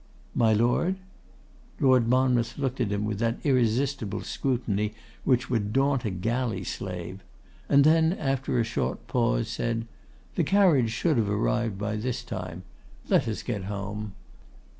'My Lord?' Lord Monmouth looked at him with that irresistible scrutiny which would daunt a galley slave; and then, after a short pause, said, 'The carriage should have arrived by this time. Let us get home.